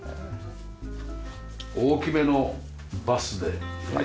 大きめのバスでねっ。